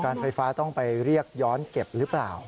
ไฟฟ้าต้องไปเรียกย้อนเก็บหรือเปล่า